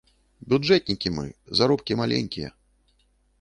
Бюджэтнікі мы, заробкі маленькія.